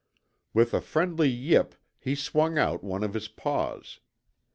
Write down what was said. With a friendly yip he swung out one of his paws.